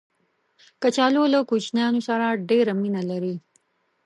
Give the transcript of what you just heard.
کچالو له کوچنیانو سره ډېر مینه لري